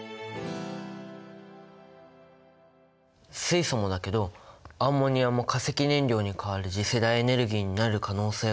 水素もだけどアンモニアも化石燃料に代わる次世代エネルギーになる可能性があるんだね。